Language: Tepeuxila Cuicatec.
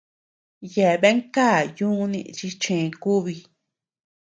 Yeabean ká yuni chi chë kúbi.